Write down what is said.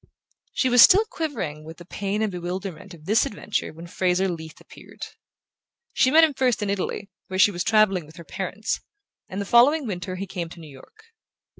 She was still quivering with the pain and bewilderment of this adventure when Fraser Leath appeared. She met him first in Italy, where she was travelling with her parents; and the following winter he came to New York.